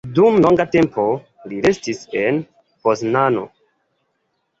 Dum longa tempo li restis en Poznano.